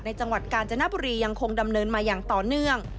จังหวัดกาญจนบุรียังคงดำเนินมาอย่างต่อเนื่อง